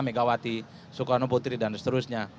megawati soekarno putri dan seterusnya